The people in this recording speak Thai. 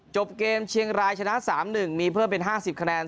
จบเกมเชียงรายชนะ๓๑มีเพิ่มเป็น๕๐คะแนน